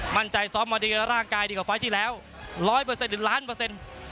มั่นใจซ้อมมาดีกับร่างกายดีกว่าไฟล์ที่แล้วร้อยเปอร์เซ็นหรือล้านเปอร์เซ็นต์